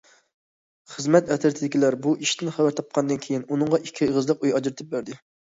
خىزمەت ئەترىتىدىكىلەر بۇ ئىشتىن خەۋەر تاپقاندىن كېيىن، ئۇنىڭغا ئىككى ئېغىزلىق ئۆي ئاجرىتىپ بەردى.